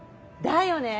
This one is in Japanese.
だよね？